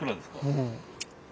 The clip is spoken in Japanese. うん。